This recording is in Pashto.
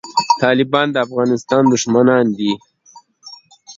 طالبان د افغانستان دښمنان دي